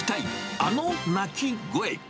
あの鳴き声。